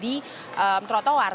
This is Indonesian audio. di tanah abang